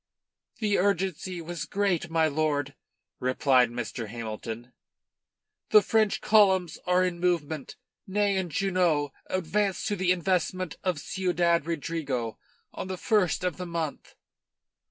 "The urgency was great, my lord," replied Mr. Hamilton. "The French columns are in movement. Ney and Junot advanced to the investment of Ciudad Rodrigo on the first of the month."